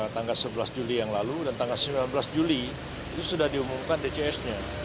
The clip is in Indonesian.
tanggal sebelas juli yang lalu dan tanggal sembilan belas juli itu sudah diumumkan dcs nya